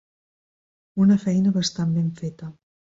Una feina bastant ben feta.